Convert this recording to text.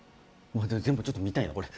全部ちょっと見たいなこれ。